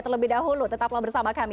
terlebih dahulu tetaplah bersama kami